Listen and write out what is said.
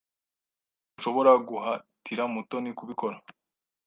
Ntushobora guhatira Mutoni kubikora.